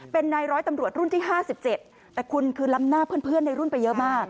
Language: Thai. เป็นนายร้อยตำรวจรุ่นที่๕๗แต่คุณคือล้ำหน้าเพื่อนในรุ่นไปเยอะมาก